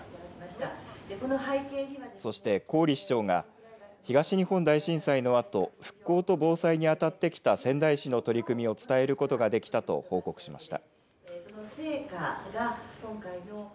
そして郡市長が東日本大震災のあと復興と防災に当たってきた仙台市の取り組みを伝えることができたと報告しました。